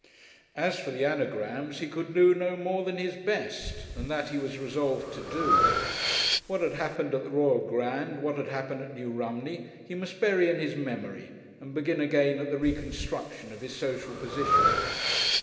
As for the Anagrams he could do no more than his best and that he was resolved to do. What had happened at the Royal Grand, what had happened at New Romney, he must bury in his memory and begin again at the reconstruction of his social position.